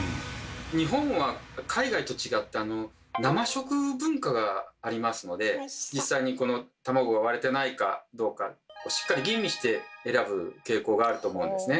日本は海外と違って生食文化がありますので実際に卵が割れてないかどうかをしっかり吟味して選ぶ傾向があると思うんですね。